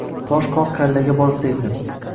Tosh qoq kallaga borib tegdi